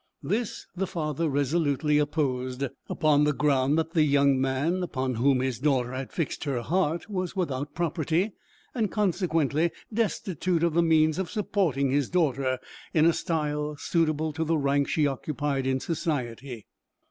This the father resolutely opposed, upon the ground that the young man upon whom his daughter had fixed her heart was without property, and consequently destitute of the means of supporting his daughter in a style suitable to the rank she occupied in society.